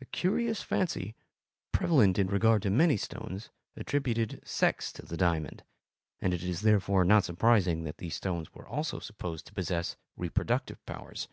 A curious fancy, prevalent in regard to many stones, attributed sex to the diamond, and it is therefore not surprising that these stones were also supposed to possess reproductive powers.